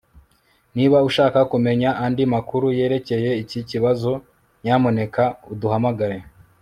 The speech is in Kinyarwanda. Niba ushaka kumenya andi makuru yerekeye iki kibazo nyamuneka uduhamagare